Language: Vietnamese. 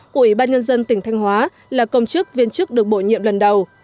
của ủy ban nhân dân tỉnh thanh hóa là công chức viên chức được bổ nhiệm lần đầu